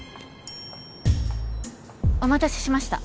お待たせしました。